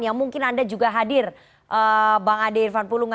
yang mungkin anda juga hadir bang ade irfan pulungan